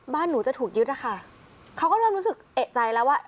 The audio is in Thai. หนูจะถูกยึดอะค่ะเขาก็เริ่มรู้สึกเอกใจแล้วว่า